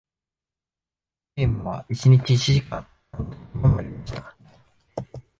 ゲームは一日一時間なんて言葉もありました。